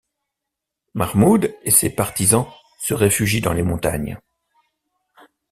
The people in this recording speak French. Mahmud et ses partisans se réfugient dans les montagnes.